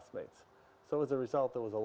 memutuskan musik pergerakan